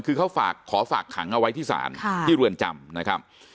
คือเขาฝากขอฝากขังเอาไว้ที่ศาลที่เรือนจำนะครับ